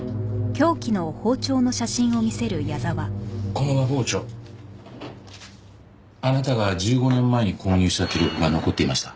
この和包丁あなたが１５年前に購入した記録が残っていました。